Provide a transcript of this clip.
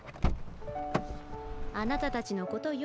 あなたたちのことよ。